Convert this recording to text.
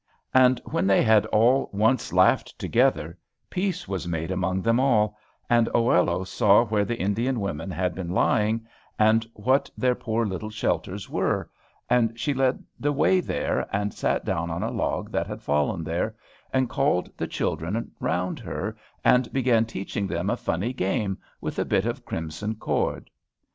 And when they had all once laughed together, peace was made among them all, and Oello saw where the Indian women had been lying, and what their poor little shelters were, and she led the way there, and sat down on a log that had fallen there, and called the children round her, and began teaching them a funny game with a bit of crimson cord.